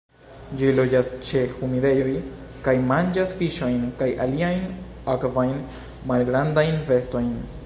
Ĝi loĝas ĉe humidejoj kaj manĝas fiŝojn kaj aliajn akvajn malgrandajn bestojn.